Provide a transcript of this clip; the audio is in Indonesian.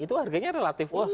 itu harganya relatif murah